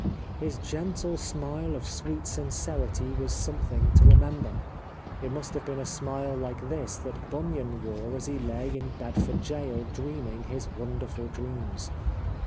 His gentle smile of sweet serenity was some thing to remember. It must have been a smile like this that Bunyan wore as he lay in Bedford Gaol dreaming his wonderful dreams.